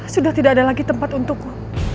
sudah tidak ada lagi tempat untukmu